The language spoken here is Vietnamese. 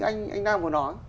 anh nam vừa nói